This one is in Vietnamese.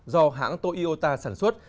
do hãng toyota sản xuất